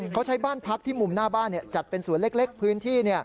เขาใช้บ้านพักที่มุมหน้าบ้านจัดเป็นสวนเล็กพื้นที่